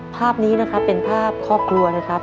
ภาพนี้นะครับเป็นภาพครอบครัวนะครับ